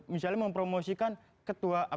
misalnya mempromosikan ketua apa